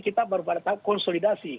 kita berada di tahap konsolidasi